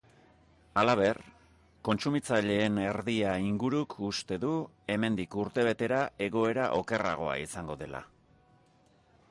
Halaber, kontsumitzaileen erdia inguruk uste du hemendik urtebetera egoera okerragoa izango dela.